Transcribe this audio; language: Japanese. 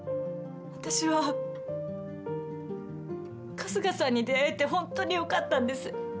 私は春日さんに出会えて本当によかったんです。